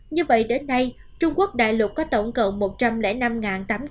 như vậy đến nay trung quốc đại lục có tổng cộng một trăm linh năm tám trăm linh người